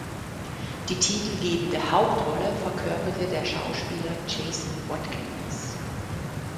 Die titelgebende Hauptrolle verkörperte der Schauspieler Jason Watkins.